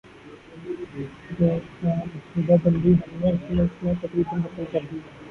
دیرپا منصوبہ بندی ہم نے اس ملک میں تقریبا ختم کر دی ہے۔